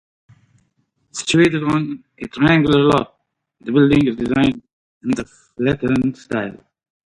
Situated on a triangular lot, the building is designed in the flatiron style.